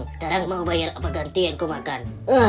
sekarang mau bayar apa gantiin kumakan